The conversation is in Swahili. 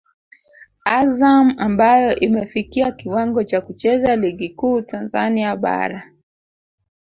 Azam ambayo imefikia kiwango cha kucheza ligi kuu Tanzania bara